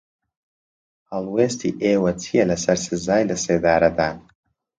هەڵوێستی ئێوە چییە لەسەر سزای لەسێدارەدان؟